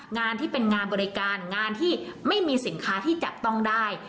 งานที่เป็นงานบริการงานที่ไม่มีสินค้าที่จับต้องได้